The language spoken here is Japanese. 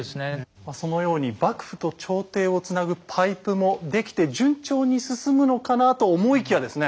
そのように幕府と朝廷をつなぐパイプも出来て順調に進むのかなと思いきやですね